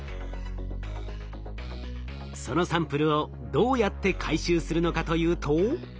そのサンプルをどうやって回収するのかというと。